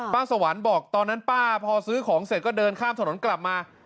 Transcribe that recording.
สวรรค์บอกตอนนั้นป้าพอซื้อของเสร็จก็เดินข้ามถนนกลับมา